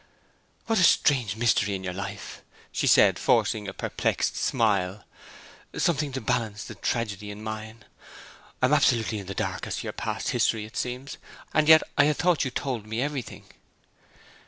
'What a strange mystery in your life!' she said, forcing a perplexed smile. 'Something to balance the tragedy in mine. I am absolutely in the dark as to your past history, it seems. And yet I had thought you told me everything.'